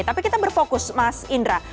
tapi kita berfokus mas indra